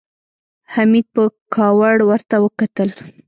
حميد په کاوړ ورته وکتل.